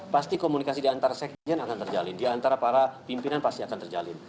pasti komunikasi di antara sekjen akan terjalin di antara para pimpinan pasti akan terjalin